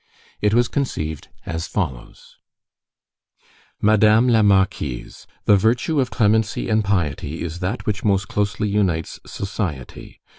It was conceived as follows:— Madame la Marquise: The virtue of clemency and piety is that which most closely unites sosiety.